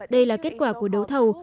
đây là kết quả của đấu thầu